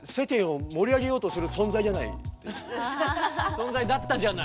存在だったじゃない。